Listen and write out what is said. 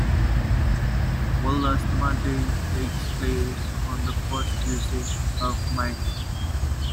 World Asthma Day takes place on the first Tuesday of May.